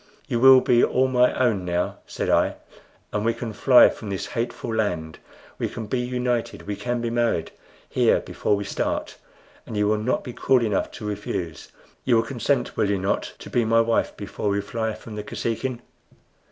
"You will be all my own now," said I, "and we can fly from this hateful land. We can be united we can be married here before we start and you will not be cruel enough to refuse. You will consent, will you not, to be my wife before we fly from the Kosekin?"